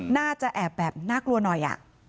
น่าจะแอบแบบน่ากลัวหน่อย